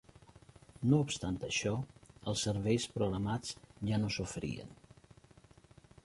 No obstant això, els serveis programats ja no s'ofereixen.